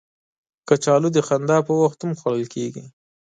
کچالو د خندا پر وخت هم خوړل کېږي